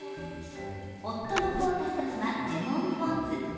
夫の功太さんはレモンポン酢。